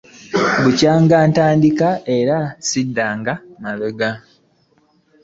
Bukya ntandika era ssiddanga mabega.